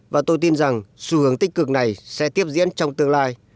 và tôi tin rằng xu hướng tích cực này sẽ tiếp diễn trong tương lai